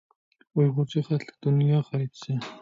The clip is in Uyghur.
ئۇيغۇرچە خەتلىك دۇنيا خەرىتىسى.